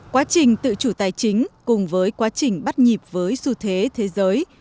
quá trình tự chủ tài chính cùng với quá trình bắt nhịp với xu thế thế giới